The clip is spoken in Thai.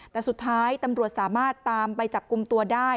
แต่สุดท้ายตำรวจสามารถตามไปจับกลุ่มตัวได้